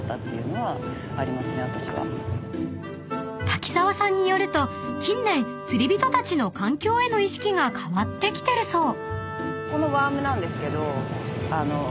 ［滝沢さんによると近年釣り人たちの環境への意識が変わってきてるそう］